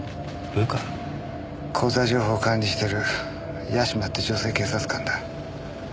口座情報を管理してる屋島って女性警察官だ。